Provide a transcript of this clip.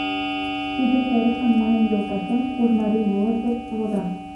Тиде серышым мыйын йолташем Кужмарий волость гыч воза.